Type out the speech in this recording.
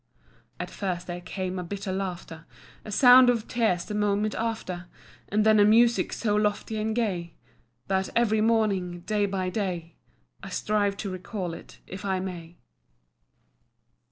And first there came a bitter laughter; A sound of tears the moment after; And then a music so lofty and gay, That every morning, day by day, I strive to recall it if I may.